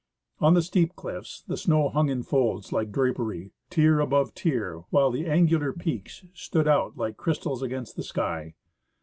On the steep cliffs the snow hung in folds like drapery, tier above tier, while the angular peaks above stood out like crystals against the sky.